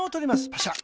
パシャ。